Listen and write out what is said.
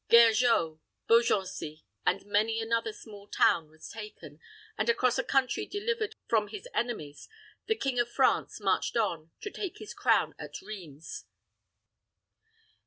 Gergeau, Beaugency, and many another small town was taken, and across a country delivered from his enemies, the King of France marched on to take his crown at Rheims.